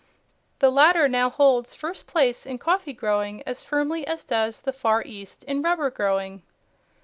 The latter now holds first place in coffee growing as firmly as does the Far East in rubber growing.